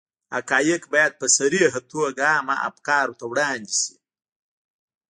حقایق باید په صریحه توګه عامه افکارو ته وړاندې شي.